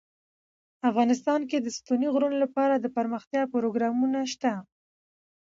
افغانستان کې د ستوني غرونه لپاره دپرمختیا پروګرامونه شته.